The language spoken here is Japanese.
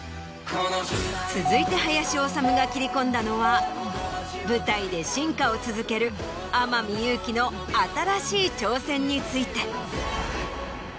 続いて林修が切り込んだのは舞台で進化を続ける天海祐希の新しい挑戦について。